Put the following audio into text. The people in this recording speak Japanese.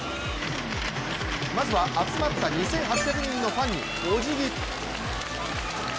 まずは集まった２８００人のファンにおじぎ。